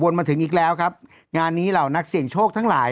มาถึงอีกแล้วครับงานนี้เหล่านักเสี่ยงโชคทั้งหลาย